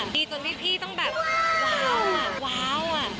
ดีจนพี่ต้องแบบว้าว